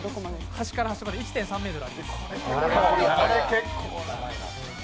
端から端まで１．３ｍあります。